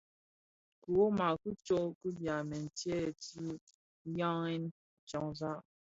Kiwoma ki tsok bi byamèn tyèn ti dhayen tyanzag.